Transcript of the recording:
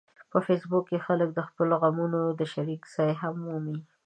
په فېسبوک کې خلک د خپلو غمونو د شریکولو ځای هم مومي